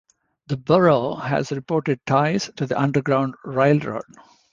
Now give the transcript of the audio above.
The Borough has reported ties to the Underground Railroad.